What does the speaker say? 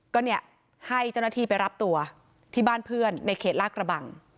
ก็เนี่ยให้เจ้าหน้าที่ไปรับตัวที่บ้านเพื่อนในเขตลาดกระบัง